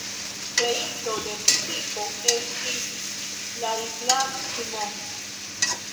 Kreinto de muziko estis Ladislav Simon.